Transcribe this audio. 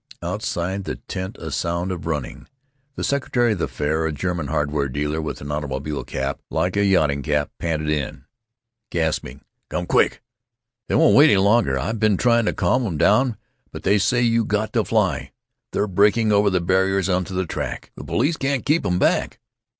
Outside the tent a sound of running. The secretary of the fair, a German hardware dealer with an automobile cap like a yachting cap, panted in, gasping: "Come quick! They won't wait any longer! I been trying to calm 'em down, but they say you got to fly. They're breaking over the barriers into the track. The p'lice can't keep 'em back."